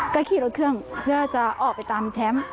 ก็ขี่รถเครื่องเพื่อจะออกไปตามแชมป์